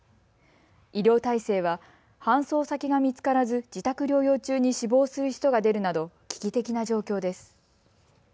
医療体制は搬送先が見つからず自宅療養中に死亡する人が出るなど危機的な状況です。